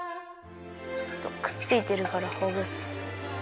ちょっとくっついてるからほぐす！